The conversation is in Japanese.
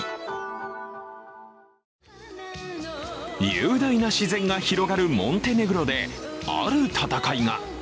雄大な自然が広がるモンテネグロである戦いが。